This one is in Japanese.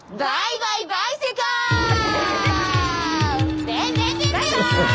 バイバーイ。